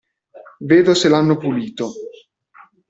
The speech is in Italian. Vedo se l'hanno pulito.